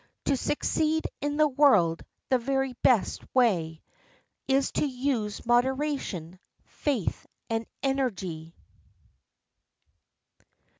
To succeed in the world, the very best way Is to use moderation, faith, and energy."